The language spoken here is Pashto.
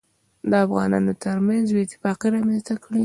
دافغانانوترمنځ بې اتفاقي رامنځته کړي